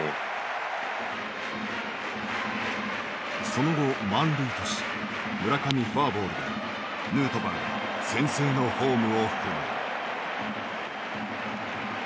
その後満塁とし村上フォアボールでヌートバーが先制のホームを踏む。